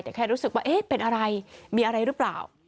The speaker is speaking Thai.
แต่แค่รู้สึกว่าเอ๊ะเป็นอะไรมีอะไรหรือเปล่า